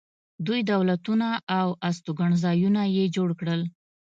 دوی دولتونه او استوګنځایونه یې جوړ کړل